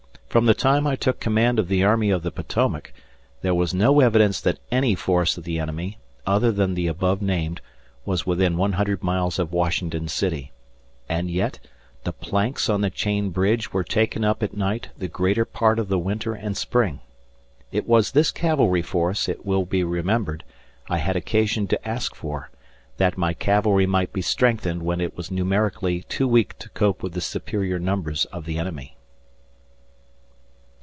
From the time I took command of the army of the Potomac, there was no evidence that any force of the enemy, other than the above named, was within 100 miles of Washington City; and yet the planks on the chain bridge were taken up at night the greater part of the winter and spring. It was this cavalry force, it will be remembered, I had occasion to ask for, that my cavalry might be strengthened when it was numerically too weak to cope with the superior numbers of the enemy.